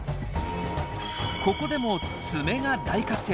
ここでも爪が大活躍！